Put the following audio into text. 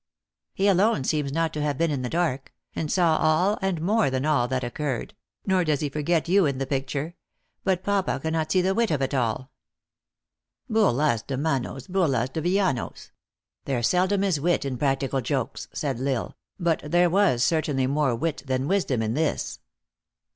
He, alone, seems not to have been in the dark ; and saw all, and more than all, that occurred nor does he forget you in the picture. But, papa cannot see the wit of it at all." " JSurlas de manos, lurlas de villanos. There sel 310 THE ACTRESS IN HIGH LIFE. dom is wit in practical jokes," said L Isle ; "but there was certainly more wit than wisdom in this."